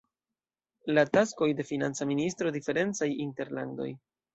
La taskoj de financa ministro diferencaj inter landoj.